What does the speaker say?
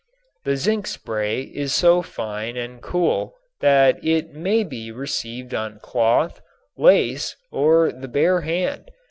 The zinc spray is so fine and cool that it may be received on cloth, lace, or the bare hand.